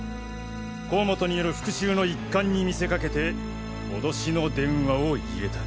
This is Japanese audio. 甲本による復讐の一環に見せかけて脅しの電話を入れた。